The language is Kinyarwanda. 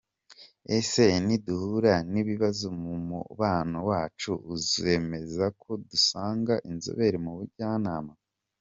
Ese niduhura n’ibibazo mu mubano wacu, uzemeza ko dusanga inzobere mu bujyanama?.